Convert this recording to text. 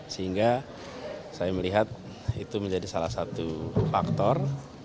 sehingga saya melihat itu menjadi salah satu faktor